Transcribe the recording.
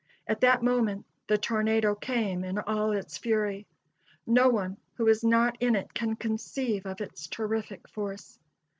At that moment the tornado came in all its fury. No one who was not in it can conceive of its terrific force.